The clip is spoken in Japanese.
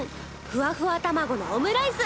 ふわふわ玉子のオムライス？